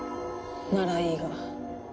ならいいが。